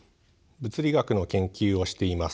物理学の研究をしています